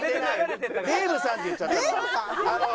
デーブさんって言っちゃったの。